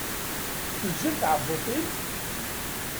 Tuzzel tɛebbuḍt-im?